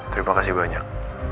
terima kasih banyak